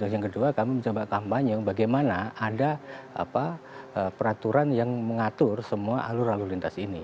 dan yang kedua kami mencoba kampanye bagaimana ada peraturan yang mengatur semua alur alur lintas ini